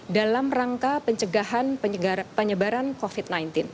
dalam rangka pencegahan penyebaran covid sembilan belas